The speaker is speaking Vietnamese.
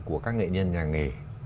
của các nghệ nhân nhà nghề